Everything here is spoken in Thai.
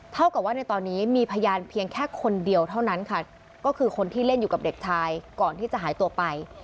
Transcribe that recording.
เท่ากับว่าในตอนนี้มีพยานเพียงแค่คนเดียวเท่านั้นค่ะก็คือคนที่เล่นอยู่กับเด็กชายก่อนที่จะหายตัวไป